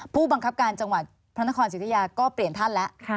ผู้บังคับการจังหวัดพระนครสิทธิยาก็เปลี่ยนท่านแล้ว